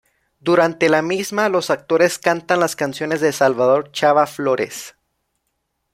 Durante la misma los actores cantan las canciones de Salvador "Chava" Flores.